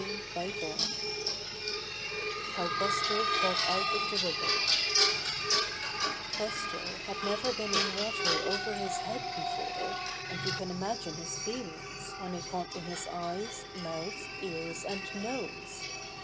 STORY III How Buster Got Out of the River Buster had never been in water over his head before, and you can imagine his feelings when it got in his eyes, mouth, ears and nose.